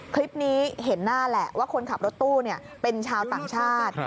คลิปนี้เห็นหน้าแหละว่าคนขับรถตู้เป็นชาวต่างชาติ